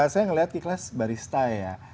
saya ngelihat di ikhlas barista ya